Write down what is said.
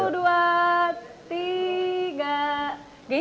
dari tadi ngeliatin